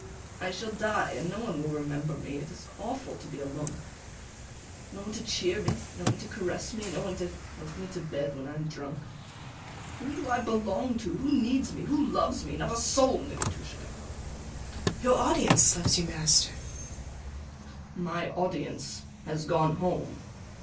I shall die, and no one will remember me. It is awful to be alone no one to cheer me, no one to caress me, no one to help me to bed when I am drunk. Whom do I belong to? Who needs me? Who loves me? Not a soul, Nikitushka. IVANITCH. [Weeping] Your audience loves you, master. SVIETLOVIDOFF. My audience has gone home.